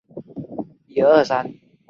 又问有何美句？